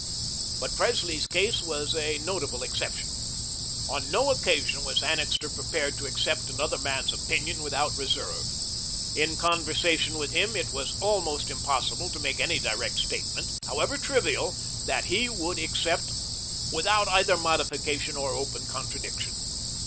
But Presley's case was a notable exception. On no occasion was Annixter prepared to accept another man's opinion without reserve. In conversation with him, it was almost impossible to make any direct statement, however trivial, that he would accept without either modification or open contradiction.